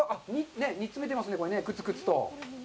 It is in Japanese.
煮詰めていますね、くつくつと。